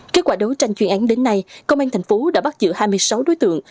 kết quả đấu tranh chuyên án đến nay công an thành phố đã bắt giữ hai mươi sáu đối tượng